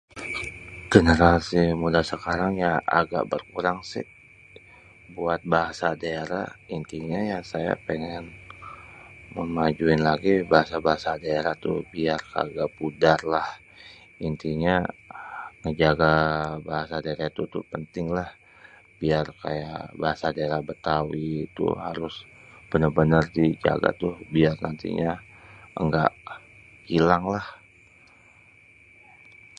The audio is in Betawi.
Generasi muda sekarang ya agak berkurang sih buat bahasa daerah. Intinya saya pengen memajuin lagi bahasa-bahasa daerah tuh biar kagak pudar lah. Intinya ngejaga bahasa daerah itu penting lah biar kayak bahasa daerah Betawi tuh harus bener-bener dijaga tuh biar nantinya enggak ilang lah.